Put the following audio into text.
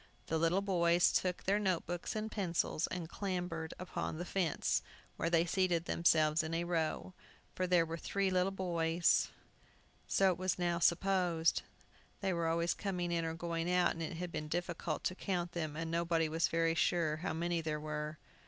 The little boys took their note books and pencils, and clambered upon the fence, where they seated themselves in a row. For there were three little boys. So it was now supposed. They were always coming in or going out, and it had been difficult to count them, and nobody was very sure how many there were.